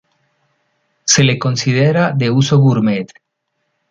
Se le considera de uso gourmet.